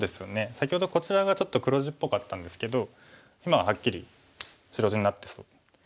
先ほどこちらがちょっと黒地っぽかったんですけど今ははっきり白地になってそう。